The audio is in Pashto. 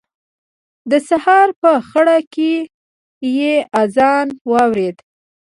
د سهار په خړه کې يې اذان واورېد.